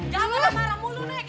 janganlah marah mulu nek